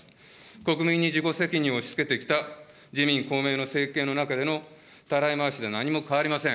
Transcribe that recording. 国民に自己責任を押し付けてきた自民、公明の政権の中でのたらい回しで何も変わりません。